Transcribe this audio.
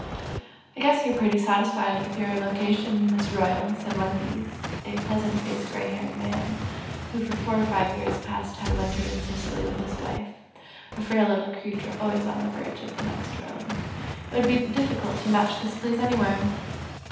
"I guess you're pretty satisfied with your location, Miss Royal" said one of these, a pleasant faced grey haired man, who for four or five years past had wintered in Sicily with his wife, a frail little creature always on the verge of the next world "It would be difficult to match this place anywhere!